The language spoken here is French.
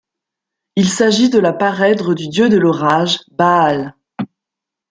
Il s'agit de la parèdre du dieu de l'Orage, Baal.